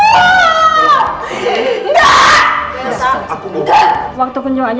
yang kamu buka kebantian suara